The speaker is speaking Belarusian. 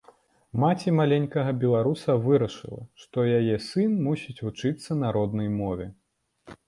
Маці маленькага беларуса вырашыла, што яе сын мусіць вучыцца на роднай мове.